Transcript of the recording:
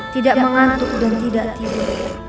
tidak mengantuk dan tidak tidur